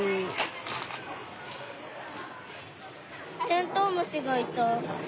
テントウムシがいた。